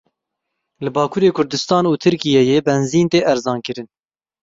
Li Bakurê Kurdistan û Tirkiyeyê benzîn tê erzankirin.